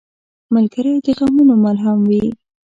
ملګری د غمونو ملهم وي.